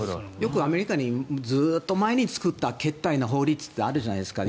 アメリカにずっと前に作ったけったいな法律ってあるじゃないですか。